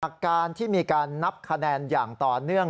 อาการที่มีการนับคะแนนอย่างต่อเนื่อง